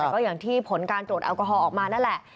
แต่ก็อย่างที่ผลการตรวจแอลกอฮอลออกมานั่นแหละ